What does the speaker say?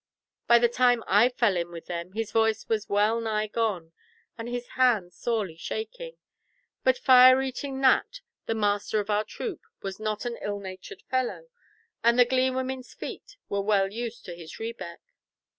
By the time I fell in with them his voice was well nigh gone, and his hand sorely shaking, but Fire eating Nat, the master of our troop, was not an ill natured fellow, and the glee women's feet were well used to his rebeck.